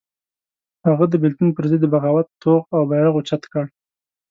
هغه د بېلتون پر ضد د بغاوت توغ او بېرغ اوچت کړ.